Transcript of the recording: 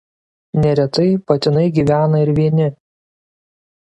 Neretai patinai gyvena ir vieni.